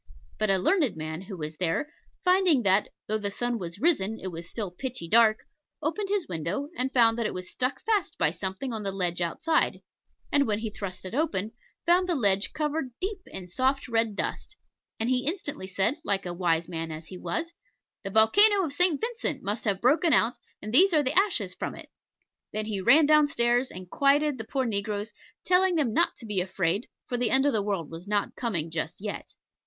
But a learned man who was there, finding that, though the sun was risen, it was still pitchy dark, opened his window, and found that it was stuck fast by something on the ledge outside, and, when he thrust it open, found the ledge covered deep in soft red dust; and he instantly said, like a wise man as he was, "The volcano of St. Vincent must have broken out, and these are the ashes from it." Then he ran down stairs and quieted the poor negroes, telling them not to be afraid, for the end of the world was not coming just yet.